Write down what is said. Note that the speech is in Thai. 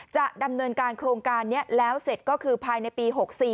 จะดำเนินการโครงการนี้แล้วเสร็จก็คือภายในปี๖๔